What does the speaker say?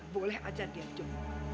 boleh aja dia jom